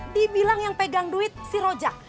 dibilang yang pegang duit si rojak